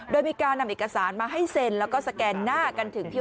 โดยมีการนำเอกสารมาให้เซ็นแล้วก็สแกนหน้ากันถึงที่